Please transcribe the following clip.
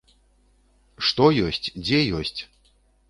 Што ёсць, дзе ёсць!